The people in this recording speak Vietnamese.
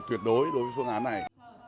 tuyệt đối đối với phương án này